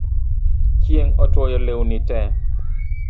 Chieng' otwoyo lewni tee